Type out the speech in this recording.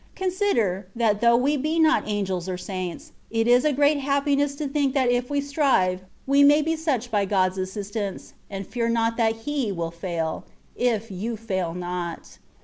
^' Consider, that though we be not angels or saintsr, it is a great happiness to think that if we strive, we may be such by God^s assistance ; and fear not that He will fail, if you fail not.